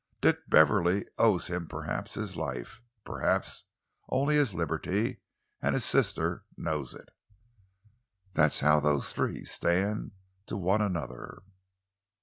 Dick Beverley owes him perhaps his life, perhaps only his liberty, and his sister knows it. That's how those three stand to one another."